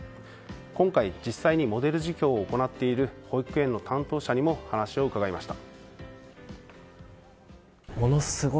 今回、実際にモデル事業を行っている保育園の担当者にも話を伺いました。